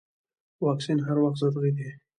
واکسین هر وخت ضروري دی.